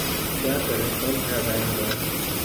کیا کریں فرض ہے ادائے نماز